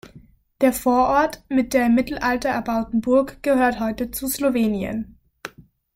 Der Vorort mit der im Mittelalter erbauten Burg gehört heute zu Slowenien.